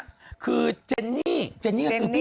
อยากกันเยี่ยม